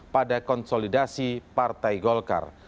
pada konsolidasi partai golkar